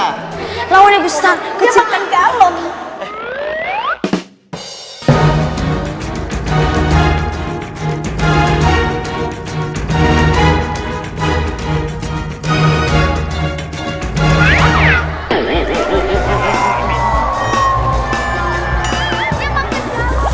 hai launya besar kecil kecil